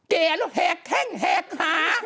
แก่แล้วแหกแข้งแหกขา